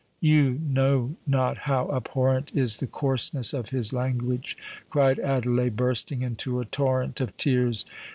you know not how abhorrent is the coarseness of his language!" cried Adelais, bursting into a torrent of tears.